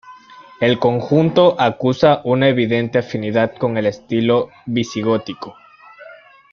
El conjunto acusa una evidente afinidad con el estilo visigótico.